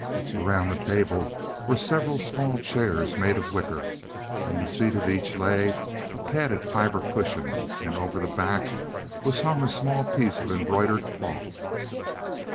Around the table were several small chairs, made of wicker. In the seat of each lay a padded fiber cushion, and over the back was hung a small piece of embroidered cloth.